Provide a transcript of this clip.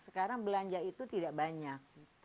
sekarang belanja itu tidak banyak